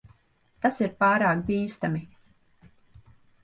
Tas ir pārāk bīstami.